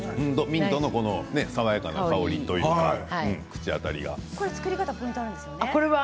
ミントの爽やかな香りというか、口当たりがいい。